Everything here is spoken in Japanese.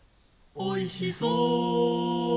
「おいしそ！」